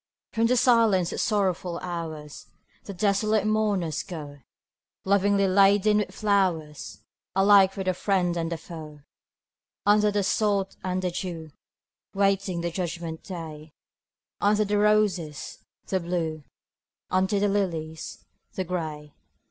From the silence of sorrowful hours The desolate mourners go, Lovingly laden with flowers Alike for the friend and the foe: Under the sod and the dew, Waiting the judgment day; Under the roses, the Blue, Under the lilies, the Gray.